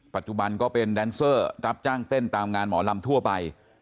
ปัจจุบันก็เป็นแดนเซอร์รับจ้างเต้นตามงานหมอลำทั่วไป